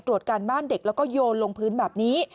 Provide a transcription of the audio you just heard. ตรวจการบ้านเด็กแล้วก็โยนลงพื้นแบบนี้